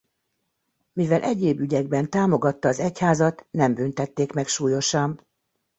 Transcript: Mivel egyéb ügyekben támogatta az egyházat nem büntették meg súlyosan.